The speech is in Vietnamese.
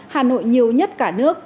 hà nội nhiều nhất cả nước